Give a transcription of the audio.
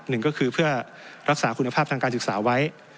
หนึ่งก็คือเพื่อรักษาคุณภาพทางการศึกษาไว้